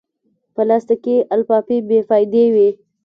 پلاستيکي لفافې بېفایدې وي.